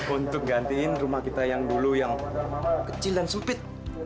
untuk gantiin rumah kita yang dulu yang kecil dan sempit